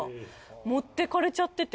持ってかれちゃってて。